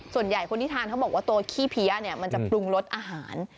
ส่วนใหญ่คนที่ทานเขาบอกว่าตัวขี้เพี้ยมันจะปรุงรสอาหาร